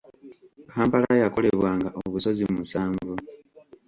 Kampala yakolebwanga obusozi musanvu.